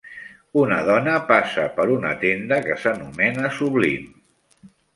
Una dona passa per una tenda que s'anomena Sublime.